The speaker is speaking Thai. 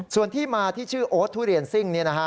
ส่วนที่มาที่ชื่อโอ๊ตทุเรียนซิ่ง